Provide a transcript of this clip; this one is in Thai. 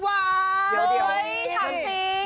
เฮ้ยจังจริง